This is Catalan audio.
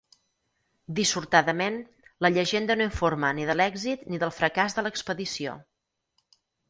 Dissortadament, la llegenda no informa ni de l’èxit ni del fracàs de l’expedició.